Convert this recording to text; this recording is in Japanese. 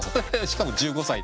しかも１５歳。